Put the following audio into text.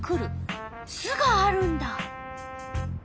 巣があるんだ。